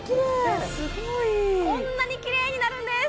えっすごいこんなにきれいになるんです！